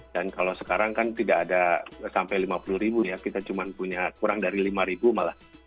dan kalau sekarang kan tidak ada sampai lima puluh ribu ya kita cuma punya kurang dari lima ribu malah